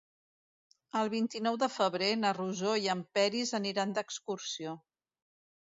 El vint-i-nou de febrer na Rosó i en Peris aniran d'excursió.